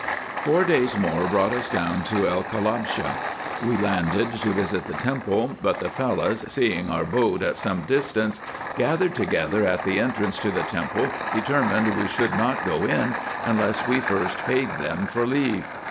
Four days more brought us down to El Kalabshe. We landed, to visit the temple ; but the Fellahs, seeing our boat at some distance, gathered together at the entrance to the temple, deter mined that we should not go in, unless we first paid them for leave.